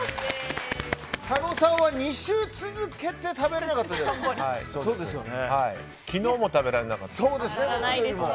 佐野さんは２週続けて食べられなかったですね。